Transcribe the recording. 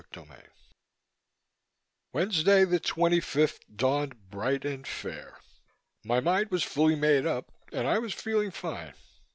CHAPTER 33 Wednesday, the twenty fifth, dawned bright and fair. My mind was fully made up and I was feeling fine.